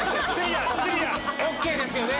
ＯＫ ですよね